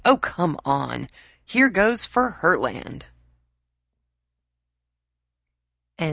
"Oh, come on! Here goes for Herland!"